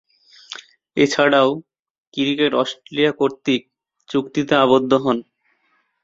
এছাড়াও, cricket Australia কর্তৃক চুক্তিতে আবদ্ধ হন।